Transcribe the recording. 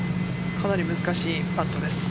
かなり難しいパットです。